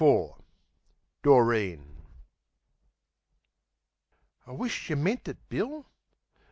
Doreen "I wish't yeh menat it, Bill."